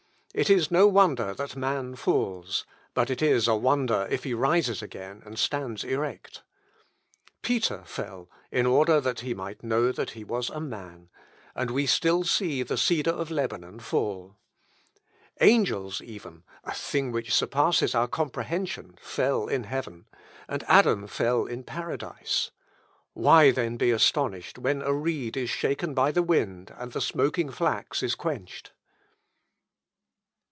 It is no wonder that man falls; but it is a wonder he rises again, and stands erect. Peter fell, in order that he might know that he was a man; and we still see the cedar of Lebanon fall. Angels even (a thing which surpasses our comprehension) fell in heaven, and Adam fell in paradise. Why then be astonished when a reed is shaken by the wind, and the smoking flax is quenched?"